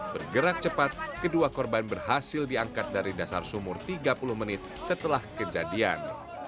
bergerak cepat kedua korban berhasil diangkat dari dasar sumur tiga puluh menit setelah kejadian